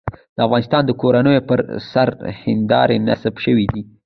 د افغانستان د کورونو پر سر هندارې نصب شوې دي.